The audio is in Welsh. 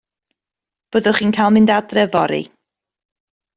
Byddwch chi'n cael mynd adre yfory.